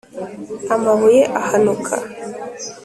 Amabuye ahanuka